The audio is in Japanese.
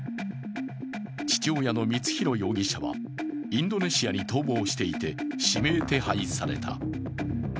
父親の光弘容疑者はインドネシアに逃亡していて、指名手配された。